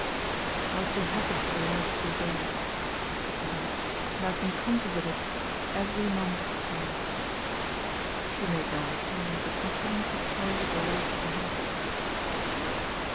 "I have been happy for the last few days," he continued, "and I have been conscious of it every moment of the time." THE DANGER UNB tOl She made no reply; but continued to tof with the lice of her handkerchief.